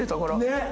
ねっ！